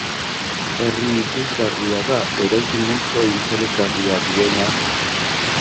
Herri ikusgarria da, eraikin multzo interesgarria duena.